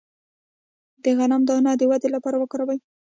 د غنم دانه د ودې لپاره وکاروئ